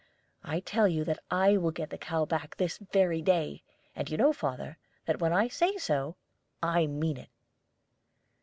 I tell you that I will get the cow back this very day; and you know, father, that when I say so I mean it."